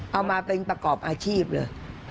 เอามาเป็นประกอบอาชีพเลย